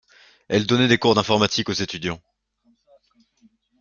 Elle donnait des cours d’informatique aux étudiants.